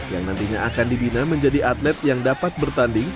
yang nantinya akan dibina menjadi atlet yang dapat bertanding